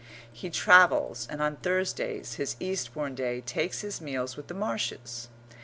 He travels, and on Thursdays, his Eastbourne day, takes his meals with the Marshes.